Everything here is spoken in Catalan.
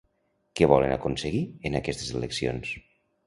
Què volen aconseguir en aquestes eleccions?